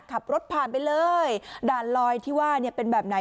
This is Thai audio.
ขับรถผ่านไปเลยด่านลอยที่ว่าเนี่ยเป็นแบบไหน